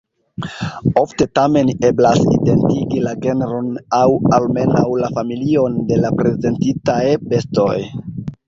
Ofte tamen eblas identigi la genron aŭ almenaŭ la familion de la prezentitaj bestoj.